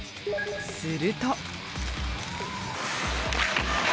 すると。